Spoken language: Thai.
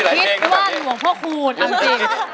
คิดว่าหลวงพ่อคูณเอาจริง